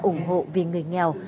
ủng hộ vì người nghèo